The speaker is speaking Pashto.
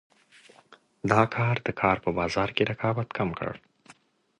دا کار د کار په بازار کې رقابت کم کړ.